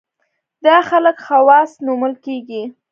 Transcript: دا خلک خواص نومول کېږي.